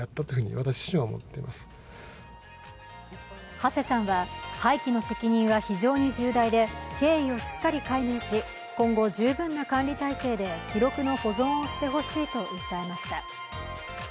土師さんは、廃棄の責任は非常に重大で経緯をしっかり解明し、今後、十分な管理体制で記録の保存をしてほしいと訴えました。